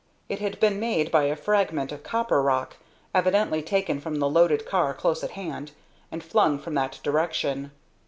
It had been made by a fragment of copper rock, evidently taken from the loaded car close at hand, and flung from that direction.